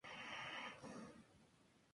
Son hijos de humanos.